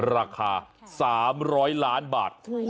ราคา๓๐๐ล้านบาท